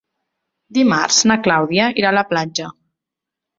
Dimarts na Clàudia irà a la platja.